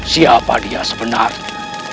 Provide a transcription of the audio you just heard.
siapa dia sebenarnya